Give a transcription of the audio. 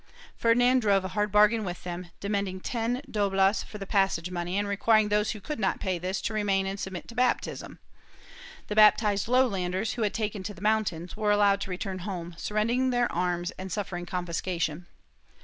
Ferdinand drove a hard bargain with them, demanding ten doblas for the passage money and requiring those who could not pay this to remain and submit to baptism. The baptized lowlanders, who had taken to the mountains, were allowed to return home, surrendering their arms and suffering confiscation.